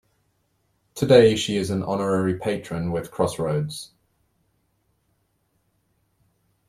Today she is an honorary patron with Crossroads.